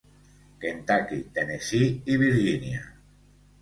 Kentucky, Tennessee i Virgínia.